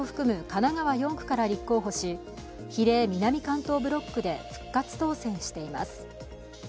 神奈川４区から立候補し、比例南関東ブロックで復活当選しています。